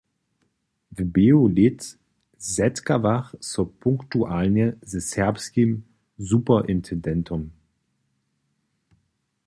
W běhu lět zetkawach so punktualnje ze serbskim superintendentom.